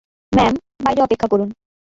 Ma'am, বাইরে অপেক্ষা করুন।